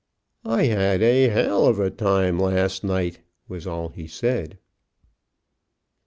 "I had a h l of a time last night," was all he said.